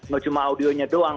gak cuma audionya doang